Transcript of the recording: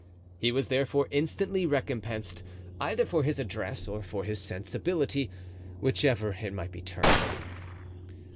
He was therefore instantly recompensed, either for his address or for his sensibility, whichever it might be termed.